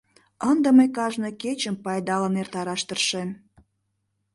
Ынде мый кажне кечым пайдалын эртараш тыршем.